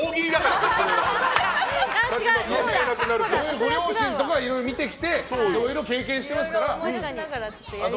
ご両親とかいろいろ見てきていろいろ経験してますから。